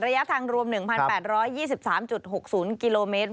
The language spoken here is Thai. ระยะทางรวม๑๘๒๓๖๐กิโลเมตร